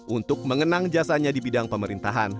untuk mengenang jasanya di bidang pemerintahan